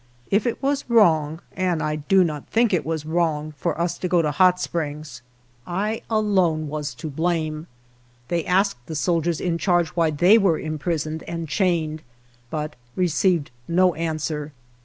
If it was wrong (and I do not think it was wrong) for us to go to Hot Springs, I alone was to blame. They asked the soldiers in charge why they were imprisoned and chained, but received no answer.